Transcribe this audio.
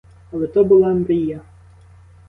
Але то була мрія.